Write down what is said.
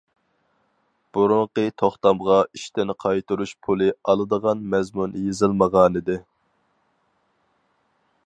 بۇرۇنقى توختامغا ئىشتىن قايتۇرۇش پۇلى ئالىدىغان مەزمۇن يېزىلمىغانىدى.